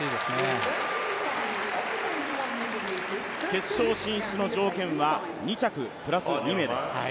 決勝進出の条件は２着プラス２名です。